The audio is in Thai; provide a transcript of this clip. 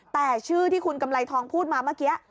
แต่ชื่อที่คุณกำไรทองพูดมาเมื่อกี้